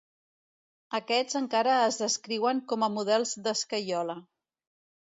Aquests encara es descriuen com a models d'escaiola.